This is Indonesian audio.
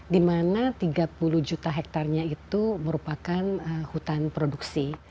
dimana tiga puluh juta hektarnya itu merupakan hutan produksi